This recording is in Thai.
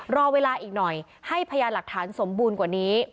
รอเวลาอีกหน่อยให้พยานหลักฐานสมบูรณ์กว่านี้